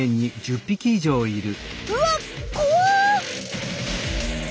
うわっ怖！